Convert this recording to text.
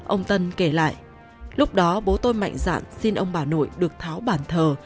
ông tân kể lại lúc đó bố tôi mạnh dạn xin ông bà nội được tháo bàn thờ